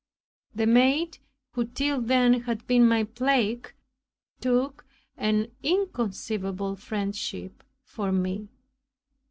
The maid, who till then had been my plague, took an inconceivable friendship for me.